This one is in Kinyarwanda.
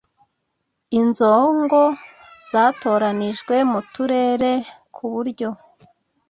izongo zatoranijwe mu turere. ku buryo